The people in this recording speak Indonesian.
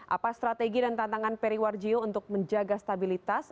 apa strategi dan tantangan periwarjio untuk menjaga stabilitas